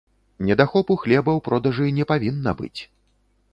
Недахопу хлеба ў продажы не павінна быць.